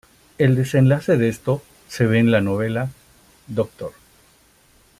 El desenlace de esto se ve en la novela "Dr.